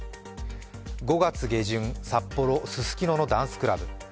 ５月下旬、札幌・ススキノのダンスクラブ。